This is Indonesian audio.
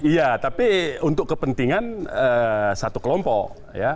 iya tapi untuk kepentingan satu kelompok ya